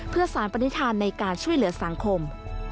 เพื่อสารปนิษฐานในการช่วยเหลือสังคม